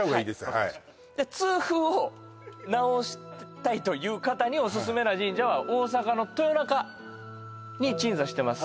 はい痛風を治したいという方にオススメな神社は大阪の豊中に鎮座してます